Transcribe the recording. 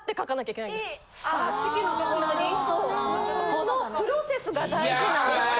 このプロセスが大事なんだって。